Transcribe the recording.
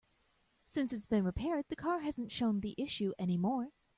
Since it's been repaired, the car hasn't shown the issue any more.